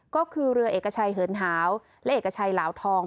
ก็คือเรือเอกชัยเหินหาวและเอกชัยเหลาทอง